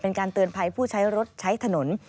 เป็นการเตือนภัยผู้ใช้รถใช้ถนน